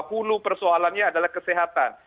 hulu persoalannya adalah kesehatan